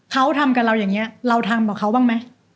เขาทำกับเราอย่างนี้เราทำกับเขาบ้างไหม